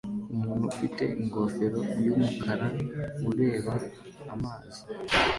Umuntu ufite ingofero yumukara ureba amazi